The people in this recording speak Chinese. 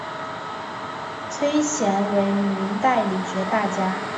崔铣为明代理学大家。